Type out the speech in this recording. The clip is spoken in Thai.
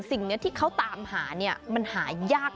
สิ่งที่เขาตามงานเนี้ยมันหายิง